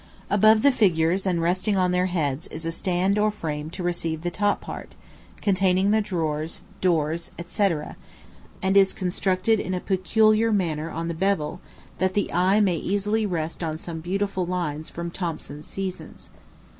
Above the figures, and resting on their heads, is a stand or frame to receive the top part, containing the drawers, doors, &c., and is constructed in a peculiar manner on the bevel, that the eye may easily rest on some beautiful lines from Thomson's Seasons.